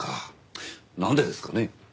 なんでですかね？